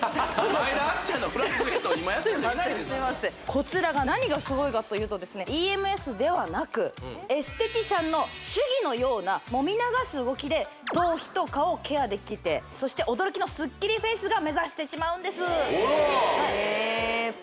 こちらが何がすごいかというとですねエステティシャンの手技のようなもみ流す動きで頭皮と顔をケアできてそして驚きのスッキリフェイスが目指せてしまうんですねえ